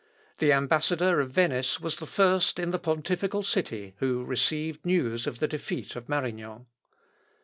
The ambassador of Venice was the first in the pontifical city who received news of the defeat of Marignan.